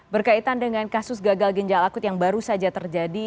berkaitan dengan kasus gagal ginjal akut yang baru saja terjadi